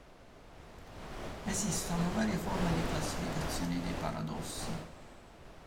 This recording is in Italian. Esistono varie forme di classificazione dei paradossi.